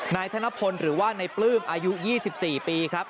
นายธนพลหรือว่าในปลื้มอายุ๒๔ปีครับ